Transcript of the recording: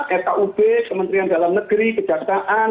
yang agama rkub kementerian dalam negeri kejaksaan